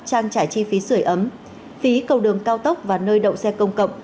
trang trải chi phí sửa ấm phí cầu đường cao tốc và nơi đậu xe công cộng